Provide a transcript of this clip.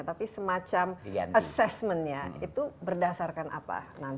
tapi semacam assessmentnya itu berdasarkan apa